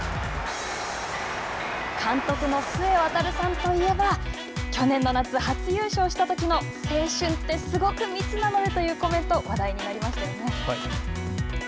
監督の須江航さんといえば去年の夏、初優勝したときの青春って、すごく密なのでというコメント、話題になりましたよね。